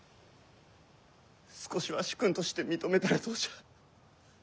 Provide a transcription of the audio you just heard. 少しは主君として認めたらどうじゃ。